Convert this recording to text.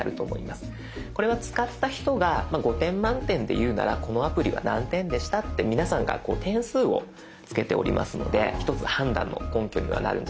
これは使った人が５点満点でいうならこのアプリは何点でしたって皆さんが点数をつけておりますので一つ判断の根拠にはなるんじゃないかなと思います。